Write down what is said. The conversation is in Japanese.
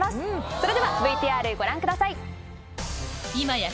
それではＶＴＲご覧ください。